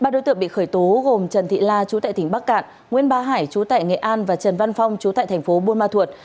ba đối tượng bị khởi tố gồm trần thị la chú tại tỉnh bắc cạn nguyễn ba hải chú tại nghệ an và trần văn phong chú tại thành phố buôn ma thuột